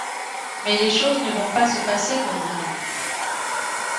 Mais les choses ne vont pas se passer comme voulu.